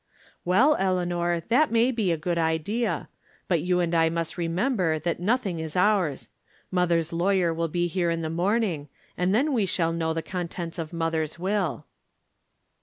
"WeU, Eleanor, that may be a good idea. But you and I must remember that nothing is ours. JMother's lawyer mil be here in the morn ing, and then we shall know the contents of mother's will."